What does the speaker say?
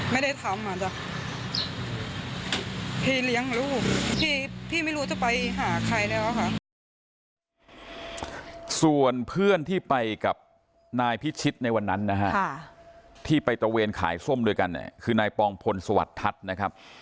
ไม่ได้ทำเหรอจ้ะพี่เลี้ยงรูปพี่ไม่รู้จะไปหาใครแล้วค่ะ